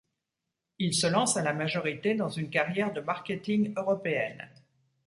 Il se lance à la majorité dans une carrière de marketing européenne.